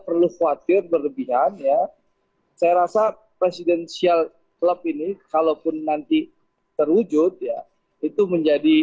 perlu khawatir berlebihan ya saya rasa presidensial club ini kalaupun nanti terwujud ya itu menjadi